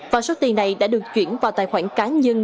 và số tiền này đã được chuyển vào tài khoản cá nhân